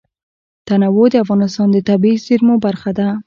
تنوع د افغانستان د طبیعي زیرمو برخه ده.